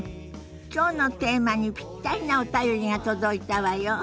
きょうのテーマにぴったりなお便りが届いたわよ。